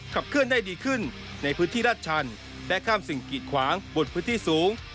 ขับเคลื่อนได้ดีขึ้นในพื้นที่ราชชันและข้ามสิ่งกีดขวางบนพื้นที่สูง